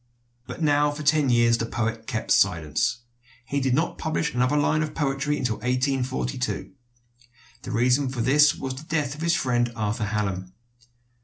But now for ten years the poet kept silence. He did not publish another line of poetry until 1842. The reason for this was the death of his friend Arthur Hallam.